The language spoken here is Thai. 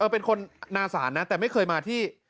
เป็นคนนาศาลนะแต่ไม่เคยมาที่